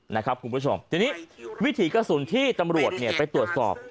ทีนี้วิถีกระสุนที่ตำรวจไปตรวจสอบ